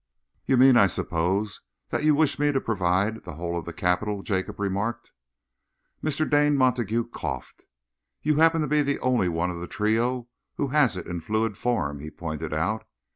"You mean, I suppose, that you wish me to provide the whole of the capital?" Jacob remarked. Mr. Dane Montague coughed. "You happen to be the only one of the trio who has it in fluid form," he pointed out.